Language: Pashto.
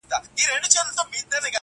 شیخ یې خوله غوږ ته نیژدې کړه چي واکمنه!.